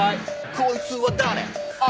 あいつは誰？」